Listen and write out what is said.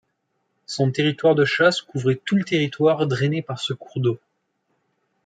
Son territoire de chasse couvrait tout le territoire drainé par ce cours d'eau.